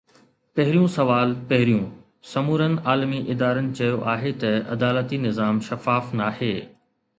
پهريون سوال پهريون! سمورن عالمي ادارن چيو آهي ته عدالتي نظام شفاف ناهي.